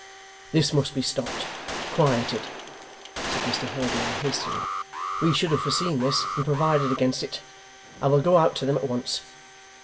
'This must be stopped quieted,' said Mr Haredale, hastily. 'We should have foreseen this, and provided against it. I will go out to them at once.